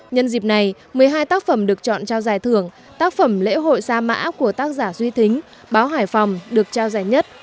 nhân dịp này một mươi hai tác phẩm được chọn trao giải thưởng tác phẩm lễ hội sa mã của tác giả duy thính báo hải phòng được trao giải nhất